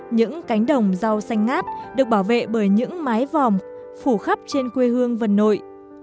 những cánh đồng rau xanh ngát được bảo vệ bởi những mái vòm phủ khắp trên quê hương vân nội